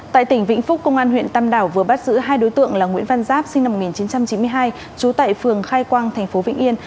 tại tỉnh vĩnh phúc công an huyện tam đảo vừa bắt giữ hai đối tượng là nguyễn văn giáp sinh năm một nghìn chín trăm chín mươi hai trú tại phường khai quang thành phố vĩnh yên